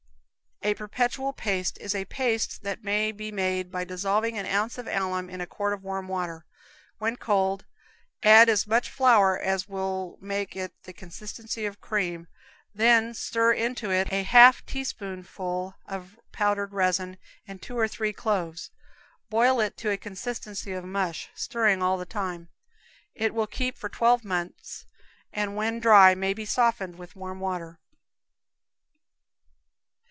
A Perpetual Paste is a paste that may be made by dissolving an ounce of alum in a quart of warm water. When cold, add as much flour as will make it the consistency of cream, then stir into it half a teaspoonful of powdered resin, and two or three cloves. Boil it to a consistency of mush, stirring all the time. It will keep for twelve months, and when dry may be softened with warm water.